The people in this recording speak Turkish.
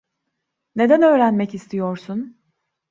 Neden öğrenmek istiyorsun?